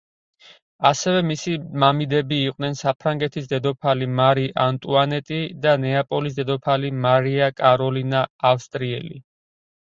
ასევე მისი მამიდები იყვნენ საფრანგეთის დედოფალი მარი ანტუანეტი და ნეაპოლის დედოფალი მარია კაროლინა ავსტრიელი.